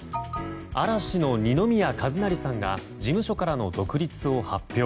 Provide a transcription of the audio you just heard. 嵐の二宮和也さんが事務所からの独立を発表。